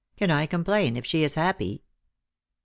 Can I complain if she is happy ?